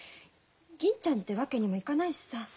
銀ちゃんってわけにもいかないしさ。